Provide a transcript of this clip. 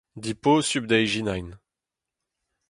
Dibosupl da ijinañ !